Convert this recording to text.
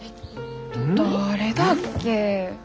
誰だっけ。